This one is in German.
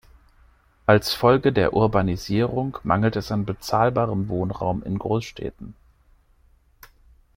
Als Folge der Urbanisierung mangelt es an bezahlbarem Wohnraum in Großstädten.